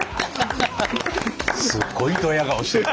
すっごいドヤ顔してるで。